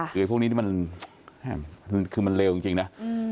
คือพวกนี้มันเร็วจริงนะ